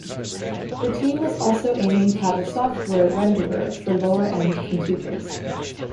The team was also aiming to have a software renderer for lower-end computers.